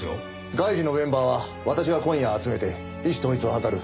外事のメンバーは私が今夜集めて意思統一を図る。